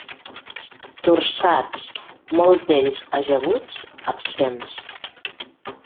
Torçats, molts d'ells ajaguts, absents.